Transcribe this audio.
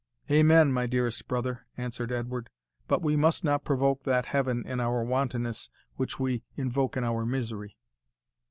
"Amen! my dearest brother," answered Edward; "but we must not provoke that Heaven in our wantonness which we invoke in our misery.